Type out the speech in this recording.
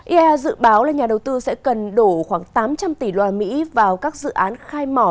iea dự báo là nhà đầu tư sẽ cần đổ khoảng tám trăm linh tỷ usd vào các dự án khai mỏ